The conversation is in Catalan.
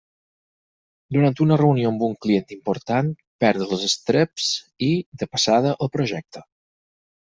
Durant una reunió amb un client important, perd els estreps i, de passada, el projecte.